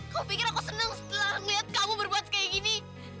kamu pikir aku seneng setelah ngeliat kamu berbuat kayak gini